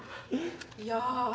いや。